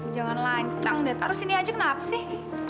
jangan lancang deh taruh sini aja kenapa sih